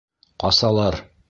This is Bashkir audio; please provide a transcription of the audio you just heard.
Ҡасалар!